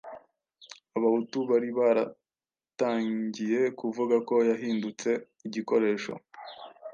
Abahutu bari baratangiye kuvuga ko yahindutse igikoresho